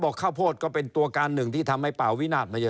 ข้าวโพดก็เป็นตัวการหนึ่งที่ทำให้ป่าวินาศมาเยอะ